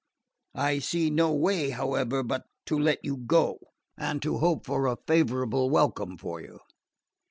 I see no way, however, but to let you go, and to hope for a favourable welcome for you.